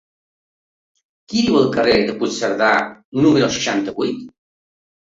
Qui viu al carrer de Puigcerdà número seixanta-vuit?